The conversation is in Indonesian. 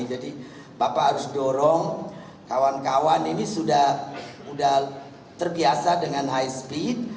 jadi bapak harus dorong kawan kawan ini sudah terbiasa dengan high speed